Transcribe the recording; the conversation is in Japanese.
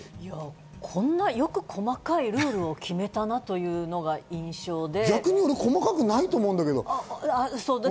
こんな細かいルールを決めた逆に俺、細かくないと思うんだけど。